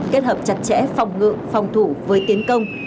kết hợp chặt chẽ phòng ngự phòng thủ với tiến công